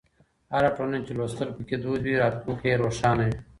هره ټولنه چې لوستل پکې دود وي، راتلونکی یې روښانه وي.